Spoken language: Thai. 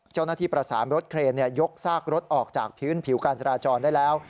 เจ้าหน้าที่ประสานรถเครนยกซากรถออกจากพื้นผิวการจราจรได้แล้ว